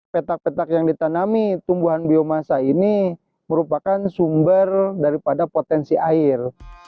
petak petak yang ditanami tumbuhan biomasa ini merupakan sumber daripada potensi air